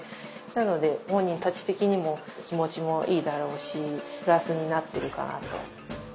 なので本人たち的にも気持ちもいいだろうしプラスになってるかなと。